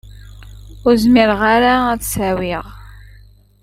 Ur zmireɣ ara ad s-awiɣ.